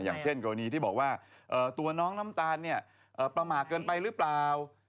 อย่างเช่นกรณีที่บอกว่าตัวน้องน้ำตาลประมาทเกินไปหรือเปล่า